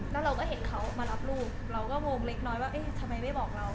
แล้วเราก็เห็นเขามารับลูกเราก็งงเล็กน้อยว่าเอ๊ะทำไมไม่บอกเรา